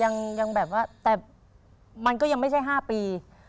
คือนั้นมันยังแบบว่าแต่มันก็ยังไม่ใช่๕ปี